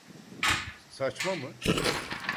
Saçma mı?